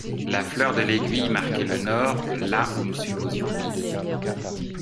La fleur de l’aiguille marquait le nord là où nous supposions le midi !